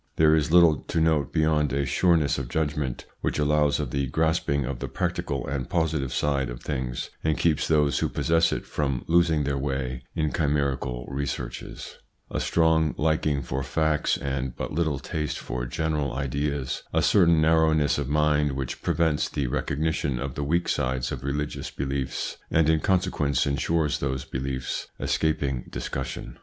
There is little to note beyond a sureness of judgment which allows of the grasping of the practical and positive side of things and keeps ITS INFLUENCE ON THEIR EVOLUTION 141 those who possess it from losing their way in chimerical researches : a strong liking for facts and but little taste for general ideas, a certain narrowness of mind which prevents the recognition of the weak sides of religious beliefs, and in consequence ensures those beliefs escaping discussion.